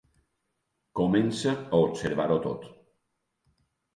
Comença a observar-ho tot.